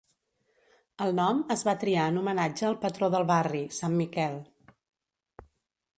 El nom es va triar en homenatge al patró del barri, sant Miquel.